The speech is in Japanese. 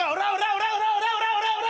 オラオラオラオラ！